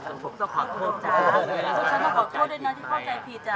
ต้องขอโทษจ้ะทุกชั้นต้องขอโทษด้วยนะที่เข้าใจผิดจ้ะ